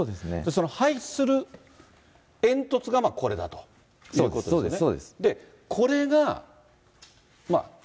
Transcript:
その排出する煙突がこれだということですよね。